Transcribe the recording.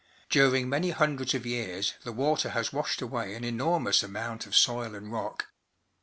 During many hundreds of years the water has washed away an enormous amount of soil and rock.